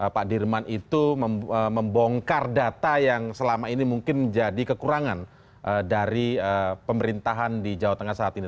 pak dirman itu membongkar data yang selama ini mungkin menjadi kekurangan dari pemerintahan di jawa tengah saat ini